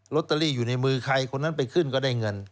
ตเตอรี่อยู่ในมือใครคนนั้นไปขึ้นก็ได้เงิน